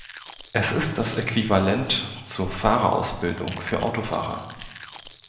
Es ist das Äquivalent zur Fahrerausbildung für Autofahrer.